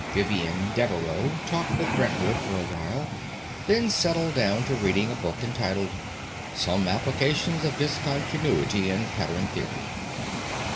Vivian Deveraux talked with Brentwood for a while, then settled down to reading a book entitled "Some Applications of Discontinuity in Pattern Theory."